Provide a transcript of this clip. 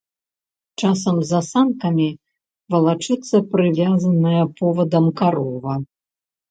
Часам за санкамі валачэцца прывязаная повадам карова.